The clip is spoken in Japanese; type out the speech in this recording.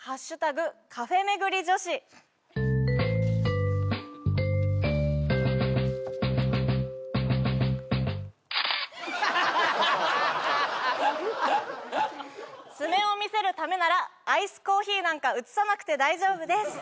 カフェめぐり女子」爪を見せるためならアイスコーヒーなんか写さなくて大丈夫です